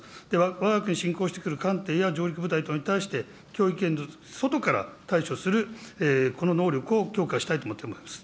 わが国に侵攻してくる艦艇と上陸部隊等に対して、脅威圏の外から対処するこの能力を強化したいと思っております。